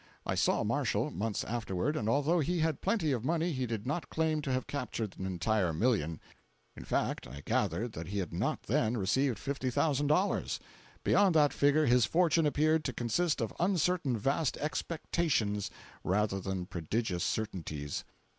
I saw Marshall, months afterward, and although he had plenty of money he did not claim to have captured an entire million. In fact I gathered that he had not then received $50,000. Beyond that figure his fortune appeared to consist of uncertain vast expectations rather than prodigious certainties.